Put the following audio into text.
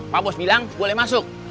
pak bos bilang boleh masuk